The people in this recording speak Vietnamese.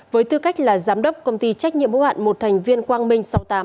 với tư cách là giám đốc công ty trách nhiệm hữu hạn một thành viên quang minh sáu mươi tám